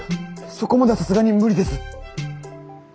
そこまではさすがに無理です。